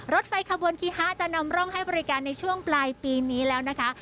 รถไฟขบวนคีฮะจะนำร่องให้บริการในช่วงปลายปีนี้แล้วนะคะ